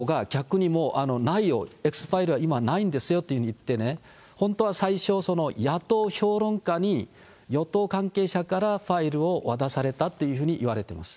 ですから、与党が逆にもうないよ、Ｘファイルは今ないんですよというふうに言ってね、本当は最初、野党評論家に与党関係者からファイルを渡されたというふうにいわれてます。